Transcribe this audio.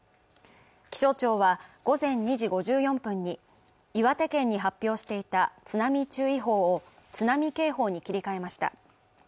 気象庁は午前２時５４分に岩手県に発表していた津波注意報を津波警報に切り替えました。